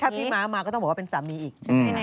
ถ้าพี่มามาก็ต้องบอกเป็นสามีอีก